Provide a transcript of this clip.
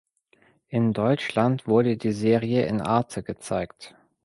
In Deutschland wurde die Serie in Arte gezeigt.